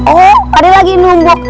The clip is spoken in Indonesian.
oh pak d lagi numbuk